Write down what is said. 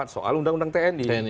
dua ribu empat soal undang undang tni